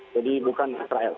jadi bukan israel